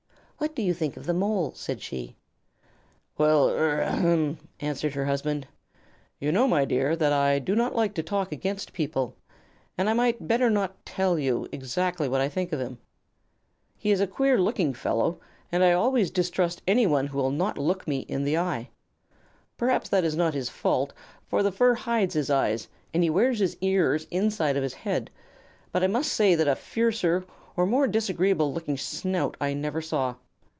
"What do you think of the Mole?" said she. "Well, er ahem," answered her husband. "You know, my dear, that I do not like to talk against people, and I might better not tell you exactly what I think of him. He is a queer looking fellow, and I always distrust anyone who will not look me in the eye. Perhaps that is not his fault, for the fur hides his eyes and he wears his ears inside of his head; but I must say that a fiercer or more disagreeable looking snout I never saw.